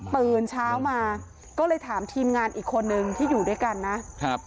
ตื่นเช้ามาก็เลยถามทีมงานอีกคนนึงที่อยู่ด้วยกันนะครับ